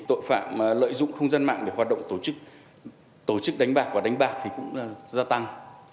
tội phạm lợi dụng không gian mạng để hoạt động tổ chức đánh bạc và đánh bạc cũng gia tăng